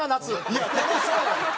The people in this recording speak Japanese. いや楽しそうやろ！